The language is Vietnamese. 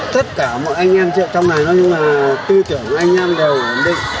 tất cả mọi anh em trong này tư tưởng của anh em đều ổn định